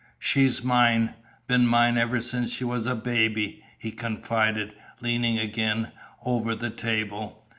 "She's mine been mine ever since she was a baby," he confided, leaning again over the table.